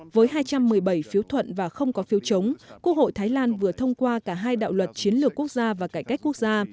với hai trăm một mươi bảy phiếu thuận và không có phiếu chống quốc hội thái lan vừa thông qua cả hai đạo luật chiến lược quốc gia và cải cách quốc gia